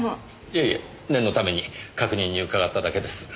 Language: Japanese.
いえいえ念のために確認に伺っただけです。